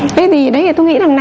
thế thì đấy thì tôi nghĩ là